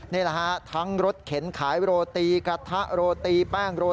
นี่แหละฮะทั้งรถเข็นขายโรตีกระทะโรตีแป้งโร